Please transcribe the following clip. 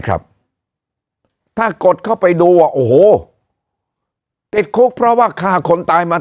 ครับถ้ากดเข้าไปดูอ่ะโอ้โหติดคุกเพราะว่าฆ่าคนตายมา